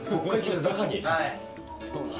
はい。